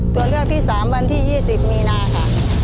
ตัวเลือกที่สามวันที่ยี่สิบมีนาคมค่ะ